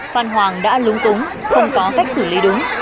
phan hoàng đã lúng túng không có cách xử lý đúng